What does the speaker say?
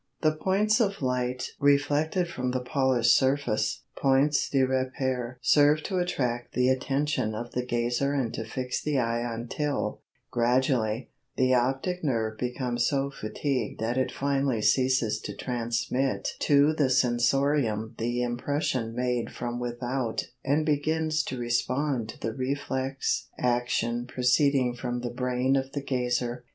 The points of light reflected from the polished surface (points de repère) serve to attract the attention of the gazer and to fix the eye until, gradually, the optic nerve becomes so fatigued that it finally ceases to transmit to the sensorium the impression made from without and begins to respond to the reflex action proceeding from the brain of the gazer.